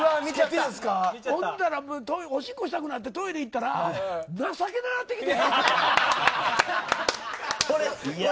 そしたら、おしっこしたくなってトイレ行ったら情けななってきて。